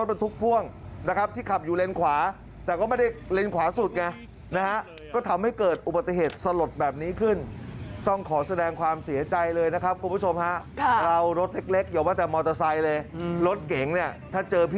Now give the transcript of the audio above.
ทราบว่าขณะเกิดเหตุมีรถ